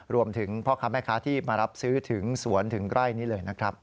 พ่อค้าแม่ค้าที่มารับซื้อถึงสวนถึงไร่นี้เลยนะครับ